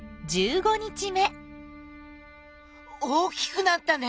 大きくなったね。